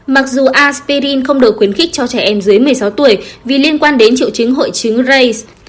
mặc dù aspirin không được khuyến khích cho trẻ em dưới một mươi sáu tuổi vì liên quan đến triệu chứng hội chứng ra